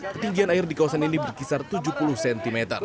ketinggian air di kawasan ini berkisar tujuh puluh cm